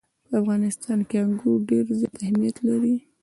په افغانستان کې انګور ډېر زیات اهمیت لري.